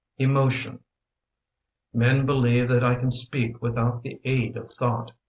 Emotion Men believe that I can speak Without the aid of thought.